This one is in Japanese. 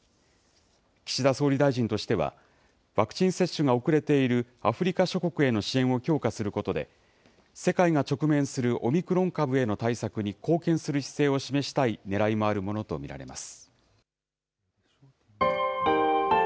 岸田総理大臣としては、ワクチン接種が遅れているアフリカ諸国への支援を強化することで、世界が直面するオミクロン株への対策に貢献する姿勢を示したいねらいもあるものと見られます。